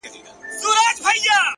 بدراتلونکی دې مستانه حال کي کړې بدل،